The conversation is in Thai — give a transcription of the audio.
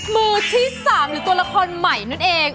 มือที่๓หรือตัวละครใหม่นั่นเอง